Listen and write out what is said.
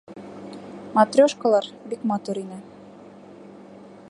Матрешкалар бик матур ине.